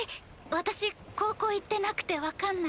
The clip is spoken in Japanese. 私高校行ってなくて分かんない。